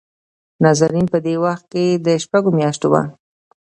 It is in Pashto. نازنين په دې وخت کې دشپږو مياشتو وه.